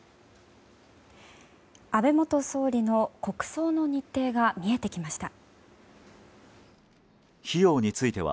安倍元総理の国葬の日程が見えてきました。